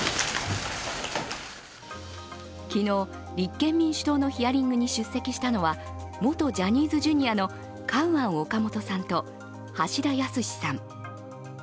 昨日、立憲民主党のヒアリングに出席したのは、元ジャニーズＪｒ．のカウアン・オカモトさんと橋田康さん。